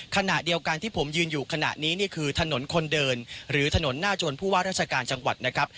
ขณะเดียวกันที่ผมยืนอยู่ขณะนี้นี่คือถนนคนเดินหรือถนนหน้าจวนผู้ว่าราชการจังหวัดนะครับ